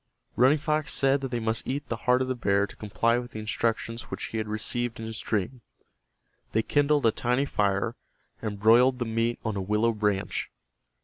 Running Fox said that they must eat the heart of the bear to comply with the instructions which he had received in his dream. They kindled a tiny fire, and broiled the meat on a willow branch.